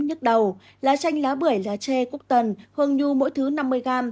nước đầu lá chanh lá bưởi lá tre cúc tần hương nhu mỗi thứ năm mươi g